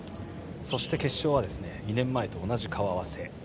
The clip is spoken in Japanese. そして決勝は２年前と同じ顔合わせ。